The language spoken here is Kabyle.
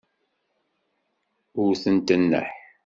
Wtent nneḥ.